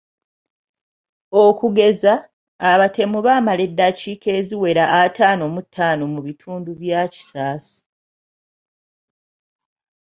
Okugeza, abatemu baamala eddakiika eziwera ataano mu ttaano mu bitundu bya Kisaasi.